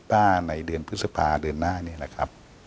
พรภาคีฟาในเดือนพฤษภาคก์เดือนหน้า